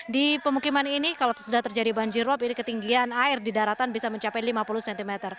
di pemukiman ini kalau sudah terjadi banjir rob ini ketinggian air di daratan bisa mencapai lima puluh cm